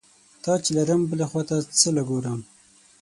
تا چې لرم بلې ته څه له ګورم؟